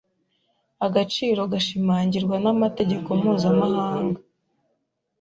Agaciro gashimangirwa n’amategeko mpuzamahanga